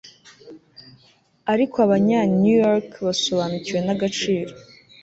ariko abanya New York basobanukiwe nagaciro